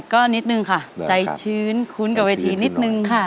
ก็นิดนึงค่ะใจชื้นคุ้นกับเวทีนิดนึงค่ะ